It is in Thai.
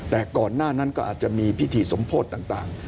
แต่ก่อนหน้านั้นก็อาจจะมีพิธีสมโพธิต่าง